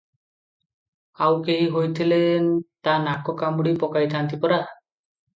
ଆଉ କେହି ହୋଇଥିଲେ ତା ନାକ କାମୁଡ଼ି ପକାଇଥାନ୍ତି ପରା?